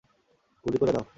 গুলি করে দাও!